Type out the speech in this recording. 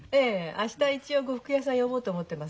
明日一応呉服屋さん呼ぼうと思ってます。